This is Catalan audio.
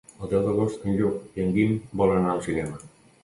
El deu d'agost en Lluc i en Guim volen anar al cinema.